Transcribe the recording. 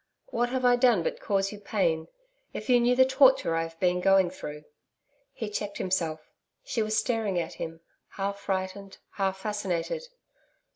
What have I done but cause you pain? ... If you knew the torture I have been going through....' He checked himself. She was staring at him, half frightened, half fascinated.